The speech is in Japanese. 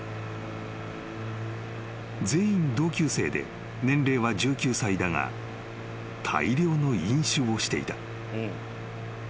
［全員同級生で年齢は１９歳だが大量の飲酒をしていた］